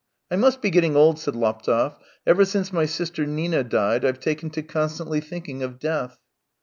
" I must be getting old," said Laptev. " Ever since my sister Nina died, Lve taken to constantly thinking of death."